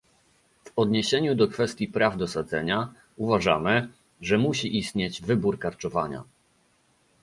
W odniesieniu do kwestii praw do sadzenia, uważamy, że musi istnieć wybór karczowania